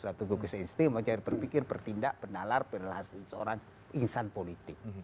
satu gugus insting mencari berpikir bertindak bernalar berrelasi seorang insan politik